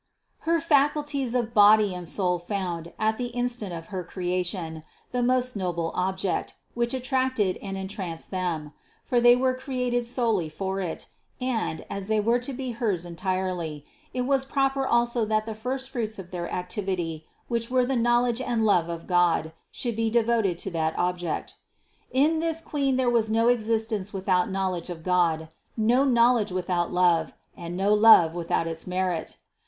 Her faculties of body and soul found, at the instant of her creation, the most noble Object, which attracted and en tranced them; for they were created solely for It, and, as they were to be hers entirely, it was proper also that the first fruits of their activity, which were the knowl edge and love of God, should be devoted to that Object. In this Queen there was no existence without knowledge of God, no knowledge without love, and no love with out its merit.